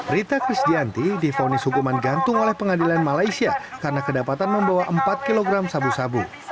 rita krisdianti difonis hukuman gantung oleh pengadilan malaysia karena kedapatan membawa empat kg sabu sabu